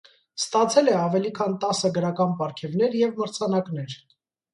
Ստացել է ավելի քան տասը գրական պարգևներ և մրցանակներ։